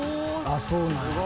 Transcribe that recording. あっそうなんや。